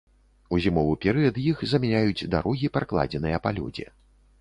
У зімовы перыяд іх замяняюць дарогі, пракладзеныя па лёдзе.